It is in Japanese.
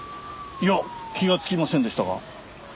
いや気がつきませんでしたが。